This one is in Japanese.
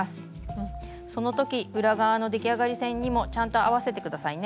その時裏側の出来上がり線にもちゃんと合わせて下さいね。